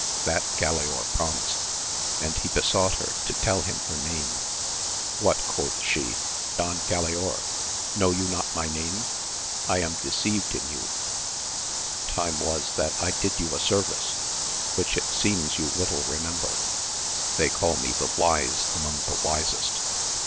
That Galaor promised, and he besought her to tell him her name. What, quoth she, Don Galaor, know you not my name ? I am deceived in you ! AMADIS OF GAUL 67 Time was that I did you a service, wHch it seems you little remember. They call me the wise* amoug the wisest.